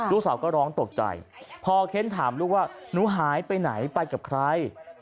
ลูกสาวก็ร้องตกใจพอเค้นถามลูกว่าหนูหายไปไหนไปกับใคร